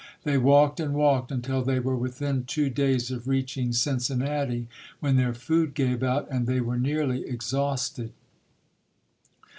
They walked and walked until they were within two days of reaching Cincinnati, when their food gave out and they were nearly exhausted.